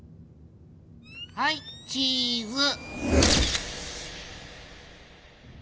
はいチーズ。